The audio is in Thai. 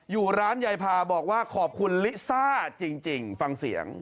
อยู่ร้านยายพาบอกว่าขอบคุณลิซ่าจริงฟังเสียง